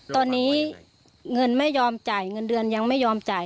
ตอนนี้เงินไม่ยอมจ่ายเงินเดือนยังไม่ยอมจ่าย